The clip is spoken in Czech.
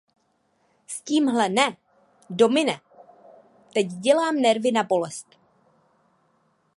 S tímhle ne, Domine; teď dělám nervy na bolest.